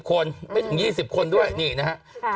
กล้องกว้างอย่างเดียว